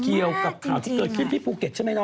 เกี่ยวกับข่าวที่เกิดขึ้นที่ภูเก็ตใช่ไหมน้อง